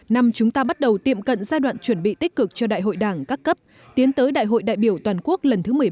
năm chúng ta bắt đầu tiệm cận giai đoạn chuẩn bị tích cực cho đại hội đảng các cấp tiến tới đại hội đại biểu toàn quốc lần thứ một mươi ba